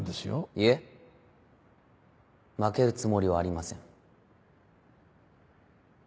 いえ負けるつもりはありません。